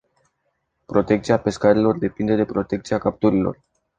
Protecția pescarilor depinde de protecția capturilor.